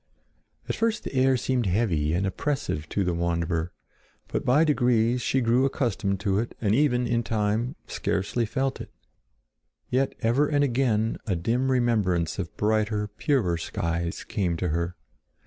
At first the air seemed heavy and oppressive to the wanderer; but by degrees she grew accustomed to it and even, in time, scarcely felt it. Yet ever and again a dim remembrance of brighter, purer skies came to her.